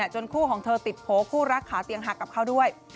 คู่ของเธอติดโผล่คู่รักขาเตียงหักกับเขาด้วย